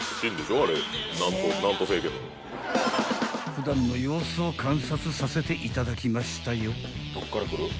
［普段の様子を観察させていただきましたよ］